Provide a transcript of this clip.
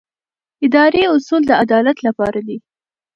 اداري اصول د عدالت لپاره دي.